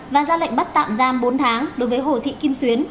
và ra lệnh bắt tạm giam bốn tháng đối với hồ thị kim xuyến